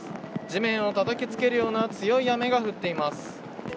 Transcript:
地面をたたきつけるような強い雨が降っています。